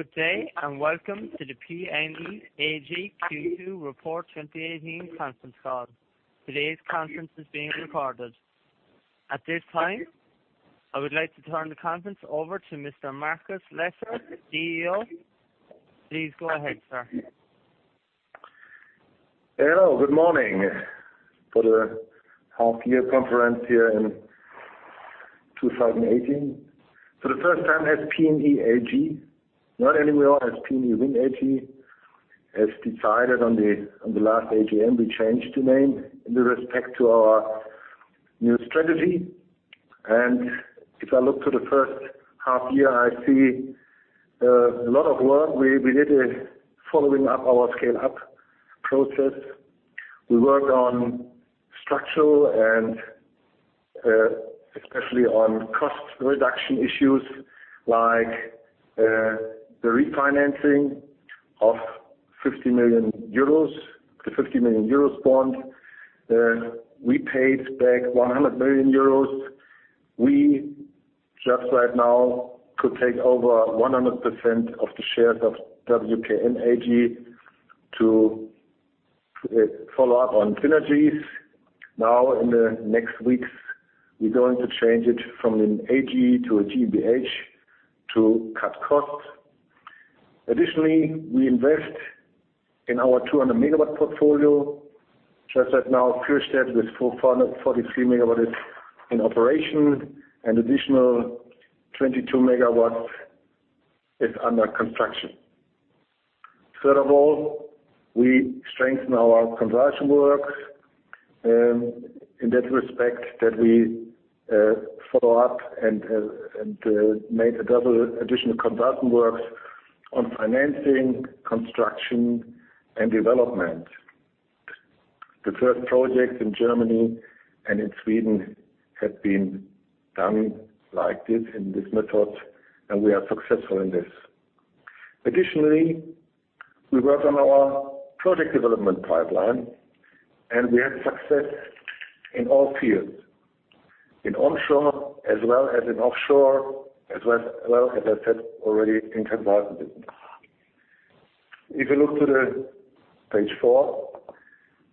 Good day, welcome to the PNE AG Q2 Report 2018 conference call. Today's conference is being recorded. At this time, I would like to turn the conference over to Mr. Markus Lesser, CEO. Please go ahead, sir. Hello. Good morning for the half year conference here in 2018. For the first time as PNE AG, not anymore as PNE Wind AG. As decided on the last AGM, we changed the name in respect to our new strategy. If I look to the first half year, I see a lot of work we did in following up our scale-up process. We worked on structural and especially on cost reduction issues like the refinancing of the 50 million euros bond. We paid back 100 million euros. We just right now could take over 100% of the shares of WKN AG to follow up on synergies. In the next weeks, we're going to change it from an AG to a GmbH to cut costs. Additionally, we invest in our 200-megawatt portfolio. Just right now, Kührstedt with 43 MW is in operation. An additional 22 megawatts is under construction. Third of all, we strengthen our conversion works, in that respect that we follow up and made a double additional conversion works on financing, construction, and development. The first project in Germany and in Sweden has been done like this, in this method, we are successful in this. Additionally, we worked on our project development pipeline, we had success in all fields, in onshore as well as in offshore, as well as I said already in conversion. If you look to page four,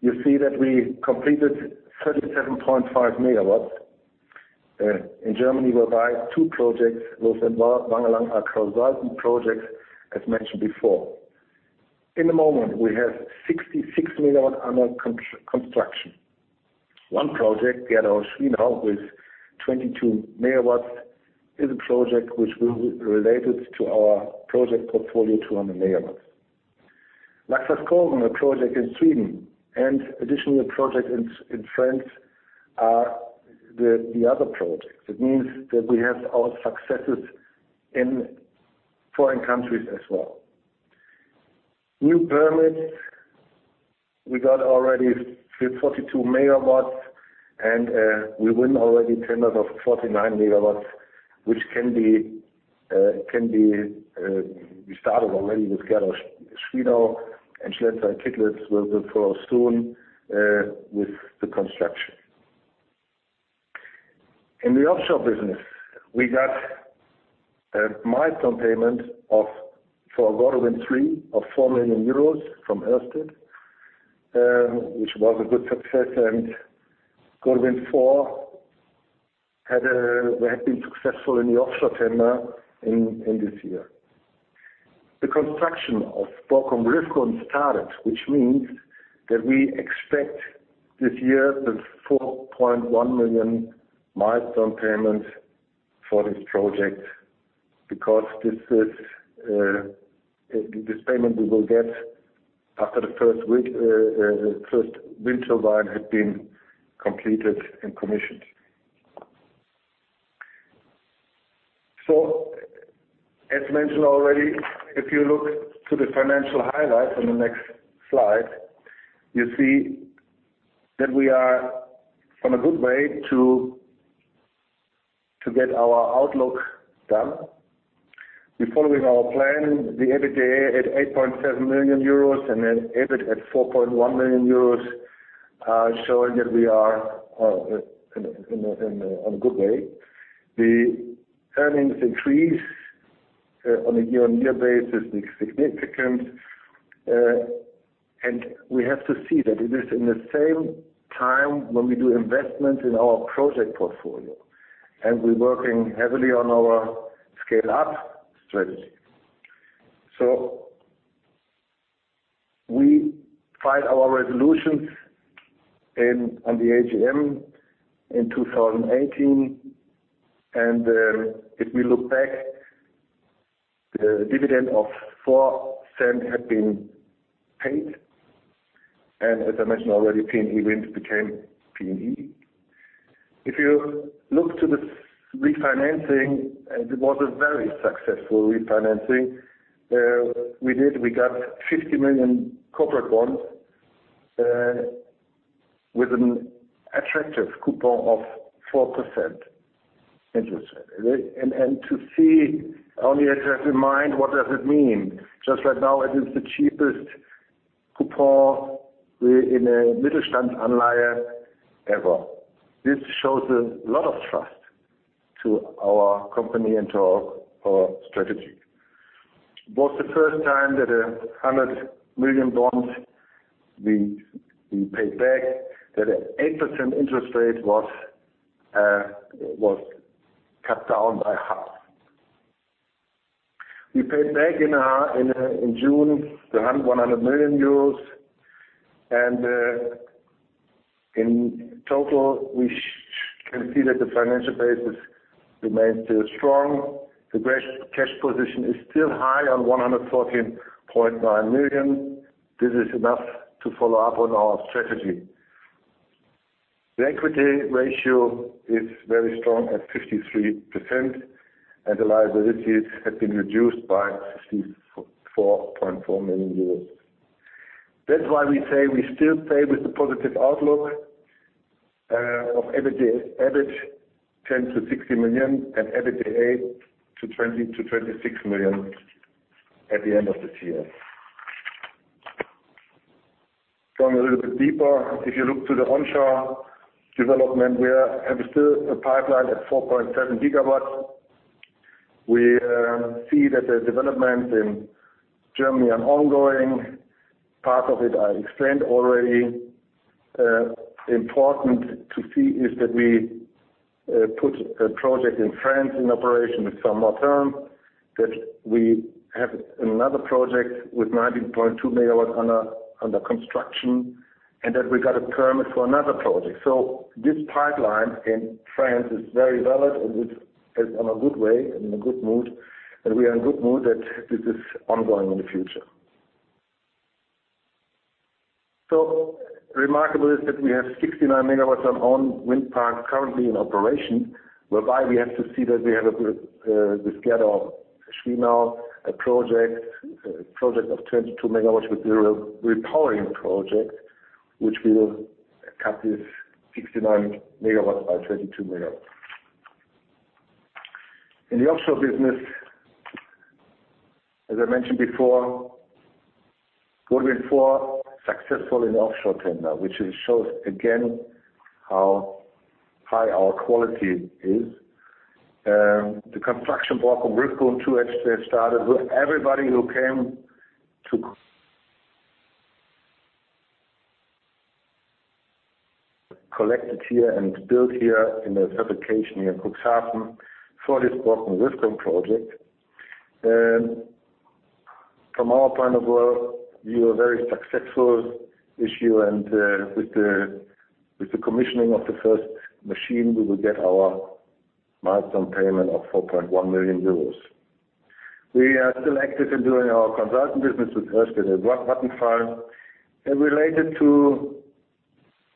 you see that we completed 37.5 megawatts. In Germany, we buy two projects, both Wangerooge and Kreuzwerder projects, as mentioned before. In the moment, we have 66 megawatts under construction. One project, Gielow-Schwedau, with 22 megawatts, is a project which will be related to our project portfolio, 200 megawatts. Laxåskog, a project in Sweden and additional project in France are the other projects. It means that we have our successes in foreign countries as well. New permits, we got already with 42 megawatts, we win already tenders of 49 megawatts, which we started already with Gielow-Schwedau, Schleswig-Holstein will follow soon with the construction. In the offshore business, we got a milestone payment for Gode Wind 3 of 4 million euros from Ørsted, which was a good success, Gode Wind 4 had been successful in the offshore tender in this year. The construction of Borkum Riffgrund started, which means that we expect this year the 4.1 million milestone payment for this project, because this payment we will get after the first wind turbine has been completed and commissioned. As mentioned already, if you look to the financial highlights on the next slide, you see that we are on a good way to get our outlook done. We're following our plan, the EBITDA at 8.7 million euros. Then EBIT at 4.1 million euros, showing that we are on a good way. The earnings increase on a year-on-year basis is significant. We have to see that it is in the same time when we do investment in our project portfolio. We're working heavily on our scale-up strategy. We find our resolutions on the AGM in 2018. If we look back, the dividend of 0.04 had been paid. As I mentioned already, PNE Wind became PNE. If you look to the refinancing, it was a very successful refinancing we did. We got 50 million corporate bonds with an attractive coupon of 4% interest. To see only have in mind what does it mean? Just right now, it is the cheapest to place in a Mittelstandsanleihe ever. This shows a lot of trust to our company and to our strategy. It was the first time that 100 million bonds being paid back, that 8% interest rate was cut down by half. We paid back in June, 100 million euros, and in total, we can see that the financial basis remains still strong. The cash position is still high on 114.9 million. This is enough to follow up on our strategy. The equity ratio is very strong at 53%. The liabilities have been reduced by 64.4 million euros. That's why we say we still stay with the positive outlook of EBIT, 10 million-16 million, and EBITDA to 20 million-26 million at the end of this year. Going a little bit deeper, if you look to the onshore development, we have still a pipeline at 4.7 gigawatts. We see that the development in Germany are ongoing. Part of it I explained already. Important to see is that we put a project in France in operation with Saint-Martin, that we have another project with 19.2 megawatts under construction. We got a permit for another project. This pipeline in France is very valid and is on a good way and in a good mood. We are in a good mood that this is ongoing in the future. Remarkable is that we have 69 megawatts on own wind farms currently in operation, whereby we have to see that we have, we've got Gerdau-Schwienau, a project of 22 megawatts with zero repowering project, which will cut this 69 megawatts by 22 megawatts. In the offshore business, as I mentioned before, Gode Wind 4 successful in the offshore tender, which shows again how high our quality is. The construction Borkum Riffgrund 2 has started. Everybody who collected here and built here in the fabrication near Cuxhaven for this Borkum Riffgrund project. From our point of view, a very successful issue. With the commissioning of the first machine, we will get our milestone payment of 4.1 million euros. We are still active in doing our consulting business with Ørsted and Vattenfall. Related to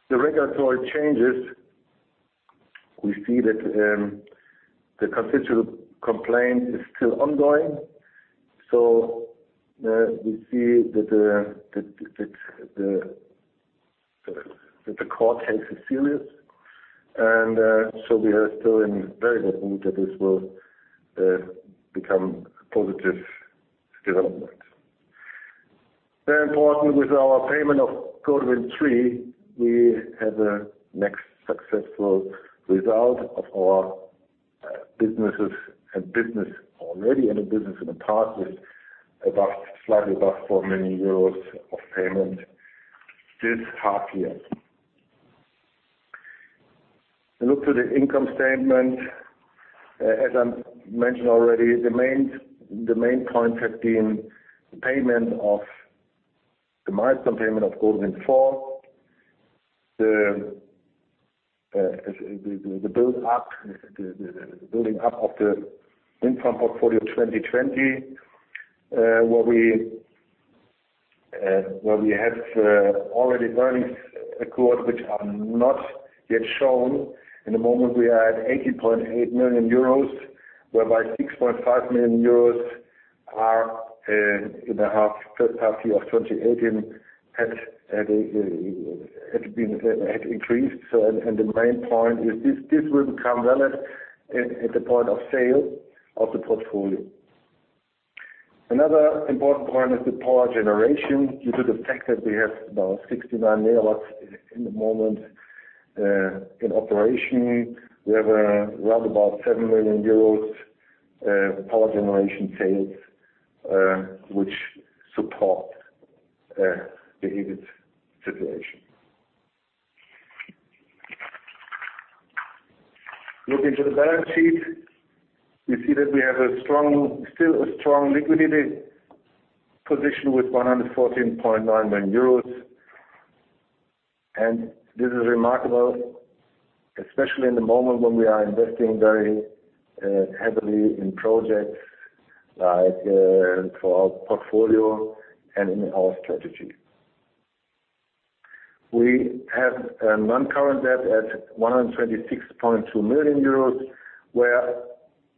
the regulatory changes, we see that the constitutional complaint is still ongoing. We see that the court case is serious. We are still in a very good mood that this will become a positive development. Very important with our payment of Gode Wind 3, we have a next successful result of our businesses and business already and in business in the past with above, slightly above 4 million euros of payment this half year. Look to the income statement. I mentioned already, the main point has been the payment of the milestone payment of Gode Wind 4, the building up of the wind farm portfolio 2020, where we have already earnings accrued, which are not yet shown. In the moment, we are at 80.8 million euros, whereby 6.5 million euros are in the first half year of 2018 had increased. The main point is this will become relevant at the point of sale of the portfolio. Another important point is the power generation due to the fact that we have about 69 MW in the moment in operation. We have around about 7 million euros power generation sales, which support the EBIT situation. Look into the balance sheet. We see that we have still a strong liquidity position with 114.9 million euros. This is remarkable, especially in the moment when we are investing very heavily in projects for our portfolio and in our strategy. We have a non-current debt at 126.2 million euros, where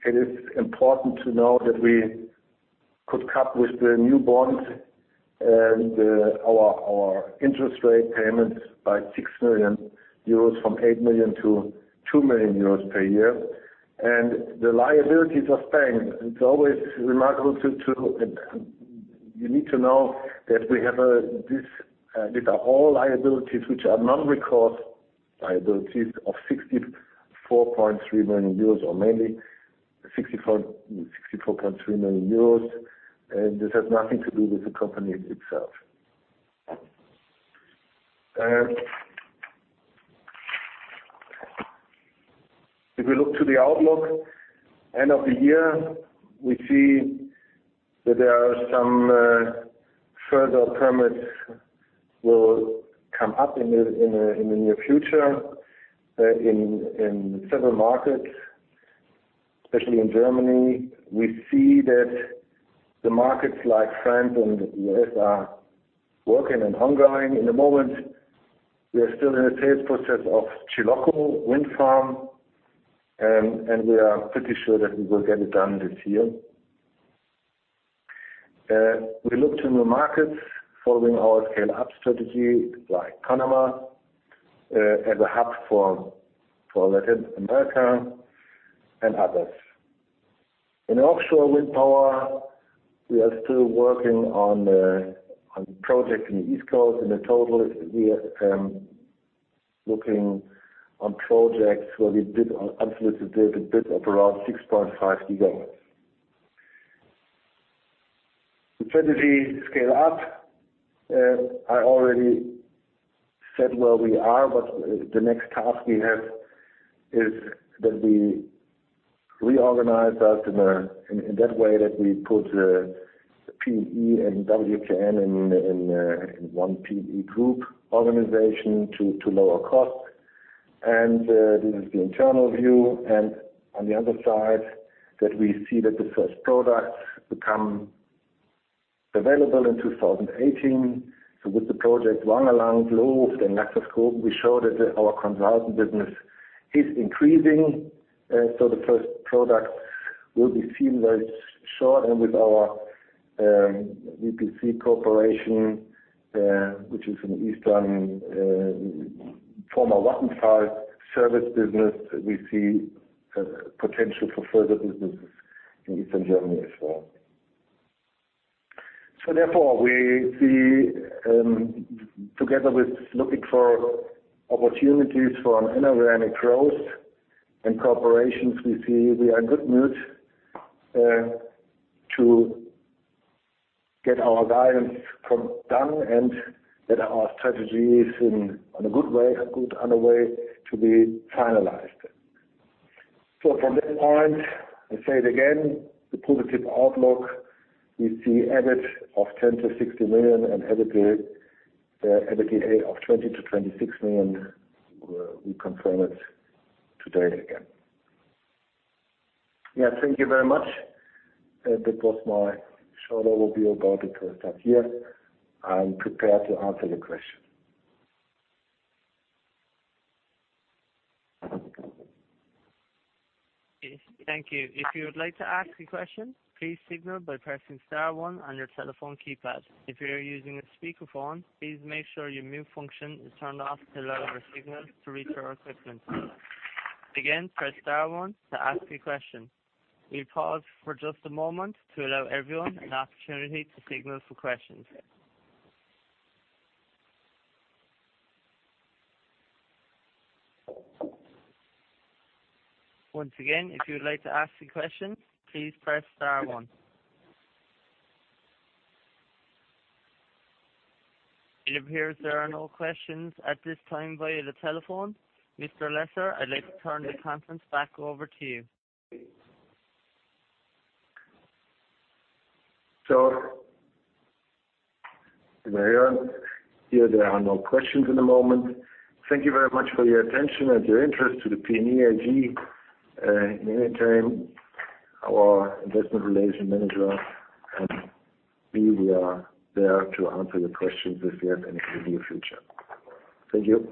it is important to know that we could cut with the new bond and our interest rate payments by 6 million euros from 8 million to 2 million euros per year. The liabilities are staying. You need to know that these are all liabilities, which are non-recourse liabilities of 64.3 million euros, or mainly 64.3 million euros, and this has nothing to do with the company itself. If we look to the outlook, end of the year, we see that there are some further permits will come up in the near future in several markets, especially in Germany. We see that the markets like France and U.S. are working and ongoing. In the moment, we are still in a sales process of Chilocco Wind Farm, and we are pretty sure that we will get it done this year. We look to new markets following our scale-up strategy, like Panama, as a hub for Latin America and others. In offshore wind power, we are still working on projects in the East Coast. In the total, we are looking on projects where we absolutely did a bit of around 6.5 GW. The strategy scale up, I already said where we are, but the next task we have is that we reorganize us in that way, that we put PNE and WKN in one PNE Group organization to lower costs. This is the internal view. On the other side, that we see that the first products become available in 2018. With the project Wangerooge, Looft and Laxåskog, we show that our consulting business is increasing. The first product will be seen very soon and with our VPC cooperation, which is in Eastern, former Wackenhut service business, we see potential for further businesses in Eastern Germany as well. Therefore, we see, together with looking for opportunities for an inorganic growth and cooperations, we see we are in good mood to get our guidance done and that our strategy is on a good way to be finalized. From that point, I say it again, the positive outlook, we see EBIT of 10 million to 60 million and EBITDA of 20 million to 26 million. We confirm it today again. Thank you very much. That was my short overview about the first half year. I'm prepared to answer your questions. Thank you. If you would like to ask a question, please signal by pressing star one on your telephone keypad. If you are using a speakerphone, please make sure your mute function is turned off to allow your signal to reach our equipment. Again, press star one to ask your question. We pause for just a moment to allow everyone an opportunity to signal for questions. Once again, if you would like to ask a question, please press star one. It appears there are no questions at this time via the telephone. Mr. Lesser, I'd like to turn the conference back over to you. As I hear, there are no questions at the moment. Thank you very much for your attention and your interest to the PNE AG. In the meantime, our investor relations manager and me, we are there to answer your questions if you have any in the near future. Thank you.